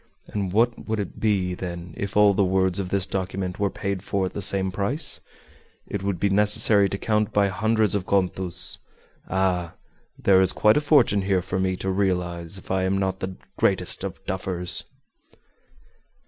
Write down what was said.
And what would it be, then, if all the words of this document were paid for at the same price? It would be necessary to count by hundreds of contos. Ah! there is quite a fortune here for me to realize if I am not the greatest of duffers!"